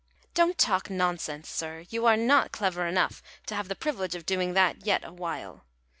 "Don't talk nonsense, sir! You are not clever enough to have the privilege of doing that yet awhile.